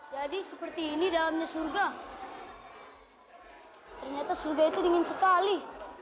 jadi seperti ini dalamnya surga ternyata surga itu dingin sekali